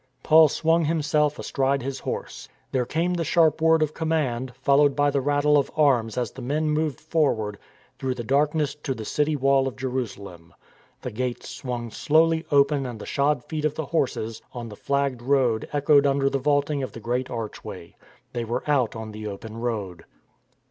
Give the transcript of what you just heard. Paul swung himself astride his horse. There came the sharp word of command, followed by the rattle 801 302 STORM AND STRESS of arms as the men moved forward through the dark ness to the city wall of Jerusalem. The gates swung slowly open and the shod feet of the horses on the flagged road echoed under the vaulting of the great archway. They were out on the open road.